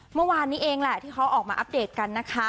เมื่อวานนี้เองแหละที่เขาออกมาอัปเดตกันนะคะ